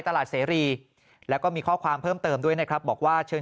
เสรีแล้วก็มีข้อความเพิ่มเติมด้วยนะครับบอกว่าเชิญ